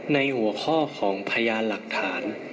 ในหัวข้อของพยานหลักฐาน